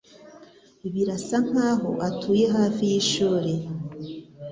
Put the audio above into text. Birasa nkaho atuye hafi yishuri